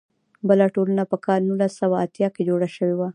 بله ټولنه په کال نولس سوه اتیا کې جوړه شوه.